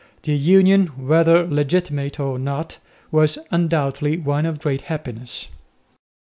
The union, whether legitimate or not, was undoubtedly one of great happiness.